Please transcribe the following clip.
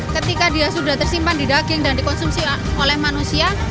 ketika dia sudah tersimpan di daging dan dikonsumsi oleh manusia